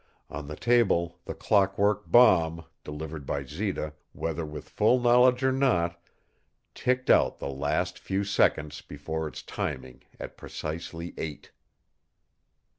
On the table the clock work bomb, delivered by Zita, whether with full knowledge or not, ticked out the last few seconds before its timing at precisely eight!